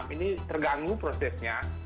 ini terganggu prosesnya